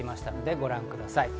ご覧ください。